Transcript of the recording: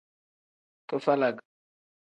Kifalag.